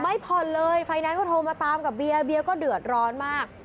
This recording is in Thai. ไม่ผ่อนเลยไฟแนนซ์ก็โทรมาตามกับเบียร์เบียร์ก็เดือดร้อนมาก